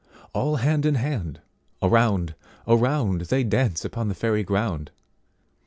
All hand in hand, around, around, They dance upon the Fairy ground.